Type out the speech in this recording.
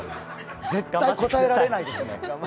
絶対答えられないですね。